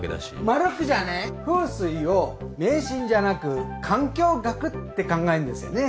まるふくじゃね風水を迷信じゃなく環境学って考えんですよね。